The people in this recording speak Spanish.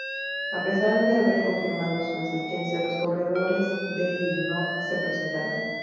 A pesar de haber confirmado su asistencia, los corredores de y no se presentaron.